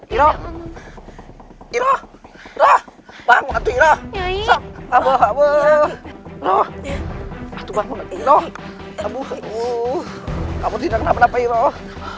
iroh iroh bangun aduh iroh iroh iroh kamu tidak kenapa kenapa iroh